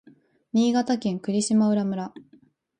新潟県粟島浦村